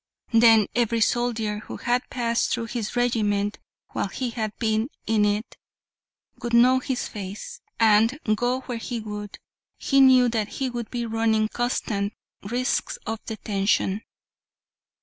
Then every soldier who had passed through his regiment while he had been in it would know his face; and, go where he would, he knew that he would be running constant risks of detection.